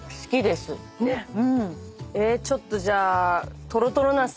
ちょっとじゃあ。